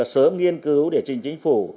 sớm nghiên cứu để trình chính phủ